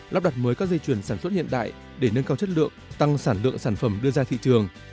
lắp đặt mới các dây chuyển sản xuất hiện đại để nâng cao chất lượng tăng sản lượng sản phẩm đưa ra thị trường